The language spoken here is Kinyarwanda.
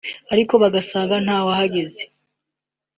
ariko bagasanga ntawahageze